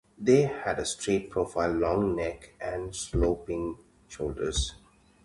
They had a straight profile, long neck, and sloping shoulders.